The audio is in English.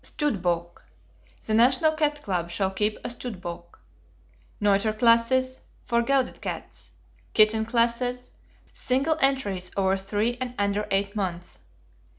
Stud Book: The National Cat Club shall keep a stud book. Neuter Classes. For gelded cats. Kitten Classes. Single entries over three and under eight months.